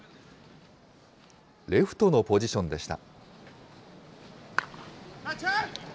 レフトのポジションでした。